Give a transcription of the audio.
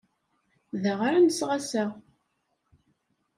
Da ara nseɣ ass-a.